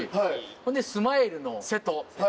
ほんでスマイルの瀬戸。